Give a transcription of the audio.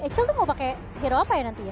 acel tuh mau pakai hero apa ya nanti ya